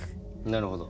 なるほど。